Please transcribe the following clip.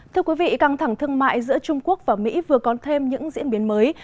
thưa quý vị căng thẳng thương mại giữa trung quốc và mỹ vừa có thêm những diễn biến mới